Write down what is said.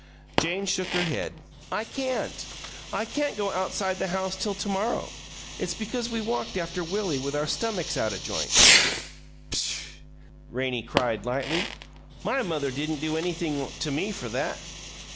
Jane shook her head. "I can't. I can't go outside the house till to morrow. It's because we walked after Willie with our stummicks out o' joint." "Pshaw!" Rannie cried, lightly. "My mother didn't do anything to me for that."